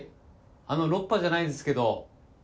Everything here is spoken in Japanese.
あのロッパじゃないんですけど。